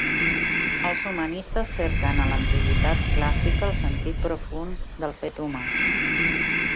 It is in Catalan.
Els humanistes cerquen a l'antiguitat clàssica el sentit profund del fet humà.